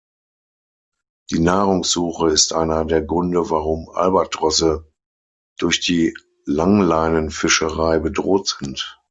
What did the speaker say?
Die Nahrungssuche ist einer der Gründe, warum Albatrosse durch die Langleinenfischerei bedroht sind.